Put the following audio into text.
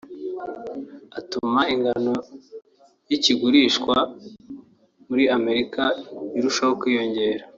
atuma ingano y’ikigurishwa muri Amerika irushaho kwiyongera